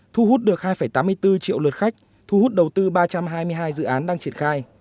thu hút được hai tám mươi bốn triệu lượt khách thu hút đầu tư ba trăm hai mươi hai dự án đang triển khai